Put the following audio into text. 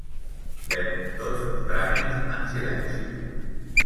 Fem tots els tràmits en silenci.